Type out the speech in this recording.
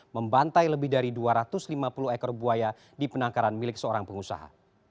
membantai lebih dari dua ratus lima puluh ekor buaya di penangkaran milik seorang pengusaha